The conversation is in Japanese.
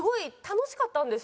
楽しかったです。